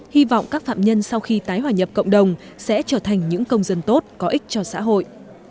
hy vọng các phạm nhân sau khi tái hòa nhập cộng đồng sẽ trở thành những công dân tốt có ích cho xã hội